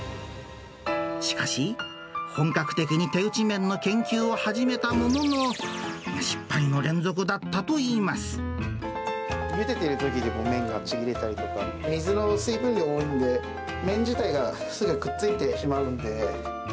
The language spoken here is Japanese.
しかし、本格的に手打ち麺の研究を始めたものの、失敗の連続だったといいゆでてるときに、麺がちぎれたりとか、水の、水分量が多いので、麺自体がすぐくっついてしまうんで。